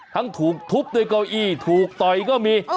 ทั้งถูกทุบด้วยเก้าอี้ถูกต่อยก็มี